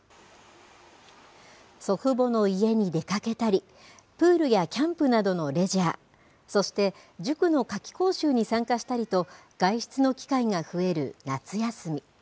祖父母の家に出かけたり、プールやキャンプなどのレジャー、そして塾の夏期講習に参加したりと、外出の機会が増える夏休み。